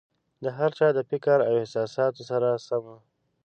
د هر چا د فکر او احساساتو سره سم وو.